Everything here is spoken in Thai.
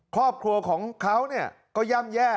ครอบครัวของเขาก็ย่ำแย่